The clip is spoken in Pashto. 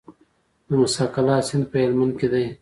د موسی قلعه سیند په هلمند کې دی